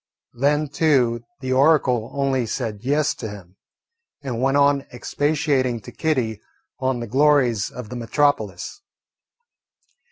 Then too the oracle only said "Yes" to him, and went on expatiating to Kitty on the glories of the metropolis.